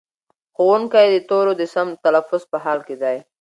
ښوونکی د تورو د سم تلفظ په حال کې دی.